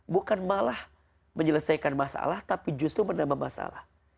bukan malah menyelesaikan masalah tapi justru menambah masalah